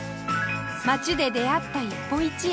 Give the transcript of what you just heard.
街で出会った一歩一会